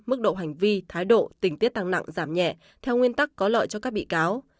mức độ hành vi thái độ tình tiết tăng nặng giảm nhẹ theo nguyên tắc có lợi cho các bị cáo